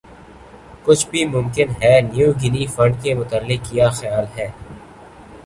کچھ بھِی ممکن ہے نیو گِنی فنڈ کے متعلق کِیا خیال ہے